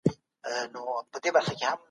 افراط د انسان ژوند له خطر سره مخ کوي.